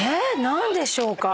何でしょうか？